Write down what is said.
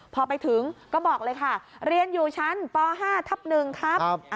พอไปถึงก็บอกเลยค่ะเรียนอยู่ชั้นป๕ทับ๑ครับ